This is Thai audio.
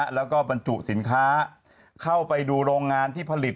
แล้วก็บรรจุสินค้าเข้าไปดูโรงงานที่ผลิต